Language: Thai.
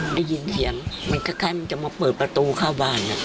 ได้ยินเสียงมันคล้ายมันจะมาเปิดประตูเข้าบ้าน